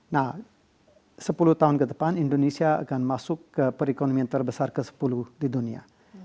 nah sepuluh tahun ke depan indonesia akan masuk ke perekonomian terbesar ke sepuluh di dunia